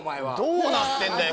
どうなってんだよ